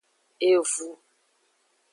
Evu.